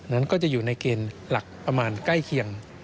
นั้นก็จะอยู่ในเกณฑ์หลักประมาณใกล้เคียง